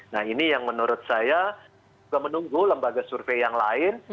nah ini yang menurut saya juga menunggu lembaga survei yang lain